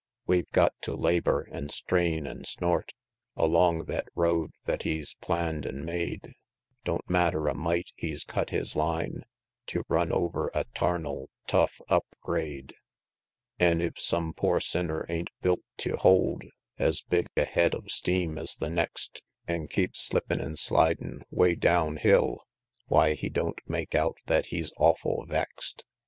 XIII. We've got to labor an' strain an' snort Along thet road thet He's planned an' made; Don't matter a mite He's cut His line Tew run over a 'tarnal, tough up grade; An' if some poor sinner ain't built tew hold Es big a head of steam es the next, An' keeps slippin' an' slidin' 'way down hill, Why, He don't make out that He's awful vex'd.